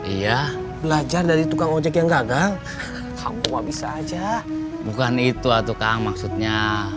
iya belajar dari tukang ojek yang gagang kamu bisa aja bukan itu atuh kang maksudnya